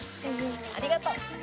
ありがとう。